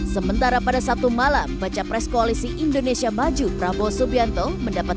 sementara pada sabtu malam baca pres koalisi indonesia maju prabowo subianto mendapat